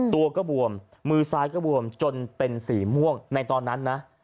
ตัวก็บวมมือซ้ายก็บวมจนเป็นสีม่วงในตอนนั้นนะ